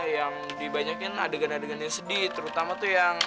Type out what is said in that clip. yang dibanyakin adegan adegan yang sedih terutama tuh yang